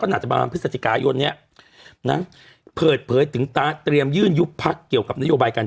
ก็หนาจบังพฤษฎิกายนเนี่ยนะเผิดเผยถึงต้าเตรียมยื่นยุบพรรคเกี่ยวกับนโยบายการชาติ